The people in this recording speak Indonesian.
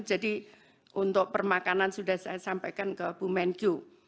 untuk permakanan sudah saya sampaikan ke bu menkyu